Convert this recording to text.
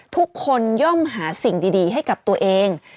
ย่อมหาสิ่งดีให้กับตัวเอง